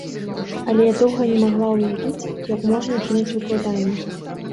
Але я доўга не магла ўявіць, як можна кінуць выкладанне.